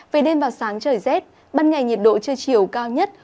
về đêm và sáng trời rét ban ngày nhiệt độ trưa chiều cao nhất